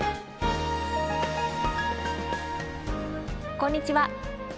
こんにちは。